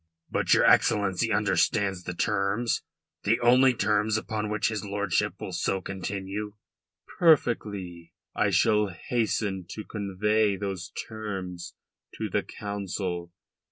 "But your Excellency understands the terms the only terms upon which his lordship will so continue?" "Perfectly. I shall hasten to convey those terms to the Council.